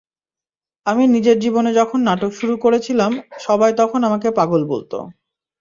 আমি নিজের জীবনে যখন নাটক শুরু করেছিলাম, সবাই তখন আমাকে পাগল বলত।